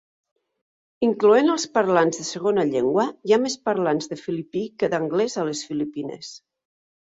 Incloent els parlants de segona llengua, hi ha més parlants de filipí que d'anglès a les Filipines.